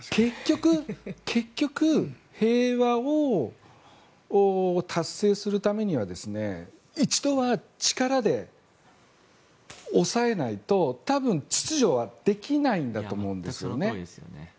結局、平和を達成するためには一度は力で抑えないと多分、秩序はできないんだと思うんですよね。